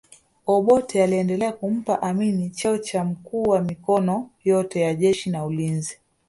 Obote aliendelea kumpa Amin cheo cha mkuu wa mikono yote ya jeshi na ulinzi